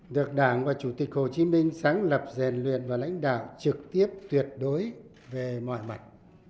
được đảng và chủ tịch hồ chí minh sáng lập rèn luyện và lãnh đạo trực tiếp tuyệt đối về mọi mặt